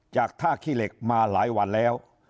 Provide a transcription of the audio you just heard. จากท่าขี้เหล็กมาหลายวันแล้ว